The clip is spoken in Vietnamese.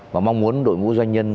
và mong muốn đội ngũ doanh nhân